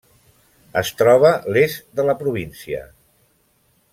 Es troba l'est de la província.